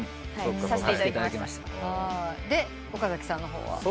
で岡崎さんの方は？